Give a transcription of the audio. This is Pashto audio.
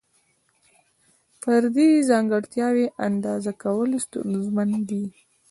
فردي ځانګړتیاوې اندازه کول ستونزمن دي.